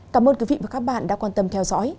cảm ơn các bạn đã quan tâm theo dõi